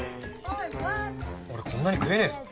俺こんなに食えねえぞ。